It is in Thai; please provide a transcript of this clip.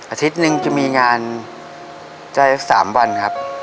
อาทิตย์หนึ่งจะมีงานจะ๓วันครับ